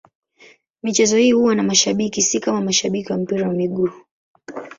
Michezo hii huwa na mashabiki, si kama mashabiki wa mpira wa miguu.